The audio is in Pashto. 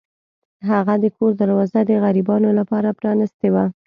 هغه د کور دروازه د غریبانو لپاره پرانیستې وه.